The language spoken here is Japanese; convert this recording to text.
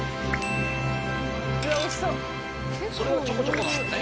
それはちょこちょこなんだね